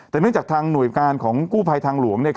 แต่เนื่องจากทางหน่วยการของกู้ภัยทางหลวง